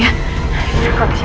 nanti mbak telepon lagi ya